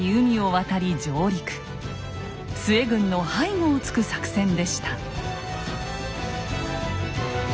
陶軍の背後をつく作戦でした。